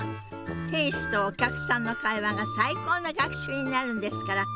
店主とお客さんの会話が最高の学習になるんですから。